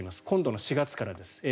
今度の４月からです。